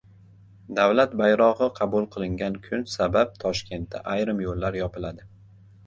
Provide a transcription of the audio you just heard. Davlat bayrog‘i qabul qilingan kun sabab Toshkentda ayrim yo‘llar yopiladi